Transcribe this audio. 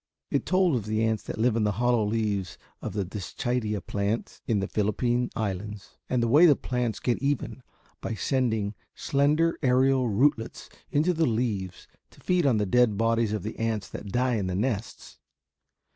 It told of the ants that live in the hollow leaves of the Dischidia plants in the Philippine Islands, and the way the plants get even by sending slender aerial rootlets into the leaves to feed on the dead bodies of the ants that die in the nests.